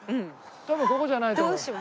多分ここじゃないと思う。